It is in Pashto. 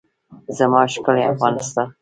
زما ښکلی افغانستان.